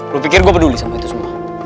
lo pikir gue peduli sama itu semua